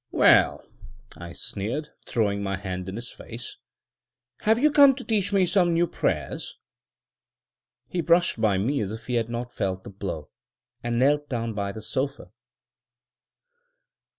"Well," I sneered, throwing my hand in his face, "have you come to teach me some new prayers?" He brushed by me as if he had not felt the blow, and knelt down by the sofa.